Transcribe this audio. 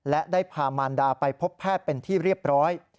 และได้พามารดาไปพบแพทย์เป็นที่เรียบร้อย